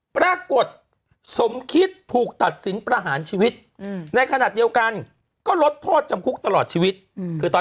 ปรากฏสมคิดถูกตัดสินประหารชีวิตในขณะเดียวกันก็ลดโทษจำคุกตลอดชีวิตคือตอน